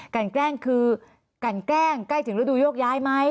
แกล้งคือกันแกล้งใกล้ถึงฤดูโยกย้ายไหม